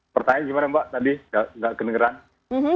pertanyaan gimana mbak tadi nggak kedengeran